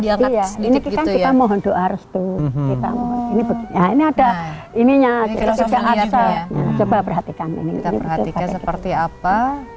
diangkat titik gitu ya mohon doa restu kita ini ada ininya coba perhatikan ini seperti apa